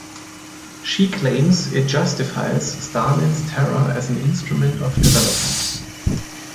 She claims it justifies Stalin's terror as an instrument of development.